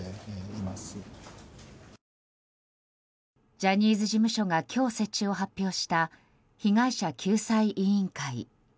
ジャニーズ事務所が今日、設置を発表した被害者救済委員会。